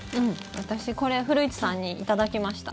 私これ古市さんに頂きました。